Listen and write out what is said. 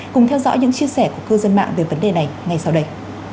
cùng theo dõi những chia sẻ của cư dân mạng về vấn đề này ngay sau đây